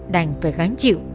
đành phải gánh chịu